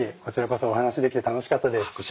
こちらこそお話しできて楽しかったです。